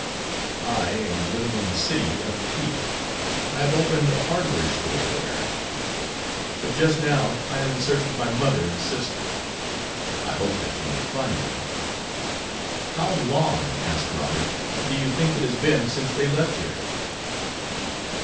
"I am living in the city of P . I have opened a hardware store there. But just now I am in search of my mother and sister." "I hope that you may find them." "How long," asked Robert, "do you think it has been since they left here?"